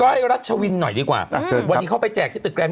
ก็ให้รัชวินหน่อยดีกว่าวันนี้เขาไปแจกที่ตึกแกรม